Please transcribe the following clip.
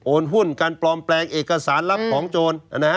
หุ้นการปลอมแปลงเอกสารรับของโจร